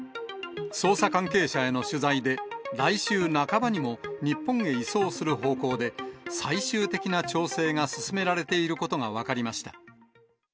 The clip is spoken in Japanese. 捜査関係者への取材で、来週半ばにも日本へ移送する方向で、最終的な調整が進められていることが分かりました。